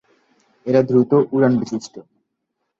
এরা দ্রুত উরানবিশিষ্ট।